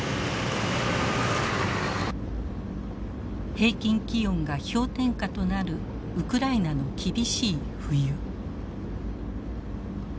平均気温が氷点下となるウクライナの厳しい冬。